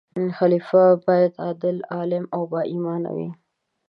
خلیفه باید عادل، عالم او با ایمان وي.